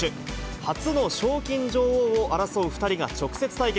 初の賞金女王を争う２人が直接対決。